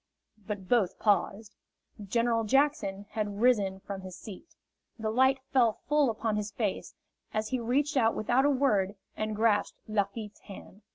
But both paused. General Jackson had risen from his seat. The light fell full upon his face as he reached out without a word and grasped Lafitte's hand.